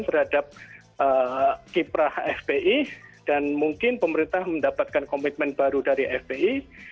terhadap kiprah fpi dan mungkin pemerintah mendapatkan komitmen baru dari fpi